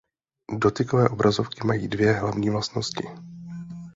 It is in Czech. Dotykové obrazovky mají dvě hlavní vlastnosti.